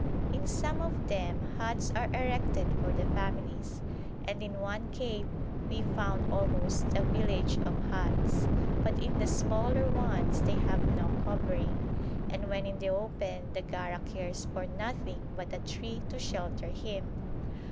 In some of them huts are erected for the families, and in one cave we found almost a village of huts; but in the smaller ones they have no covering, and when in the open the Gara cares for nothing but a tree to shelter him.